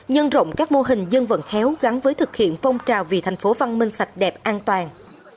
nhân rộng các mô hình dân vận khéo gắn với thực hiện phong trào vì thành phố văn minh sạch đẹp an toàn